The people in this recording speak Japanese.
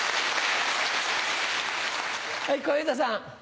はい小遊三さん。